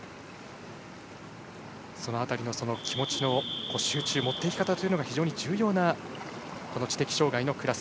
その辺りの気持ちの集中持っていき方というのが非常に重要な知的障がいのクラス。